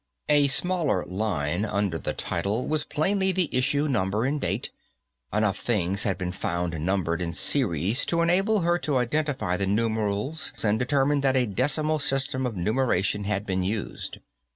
A smaller line, under the title, was plainly the issue number and date; enough things had been found numbered in series to enable her to identify the numerals and determine that a decimal system of numeration had been used.